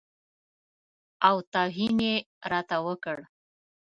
او توهین یې راته وکړ.